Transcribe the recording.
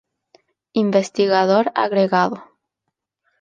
Investigador Agregado.